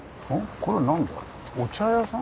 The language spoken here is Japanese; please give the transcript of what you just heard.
これは何だお茶屋さん？